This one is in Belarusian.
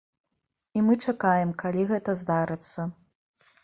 І мы чакаем, калі гэта здарыцца.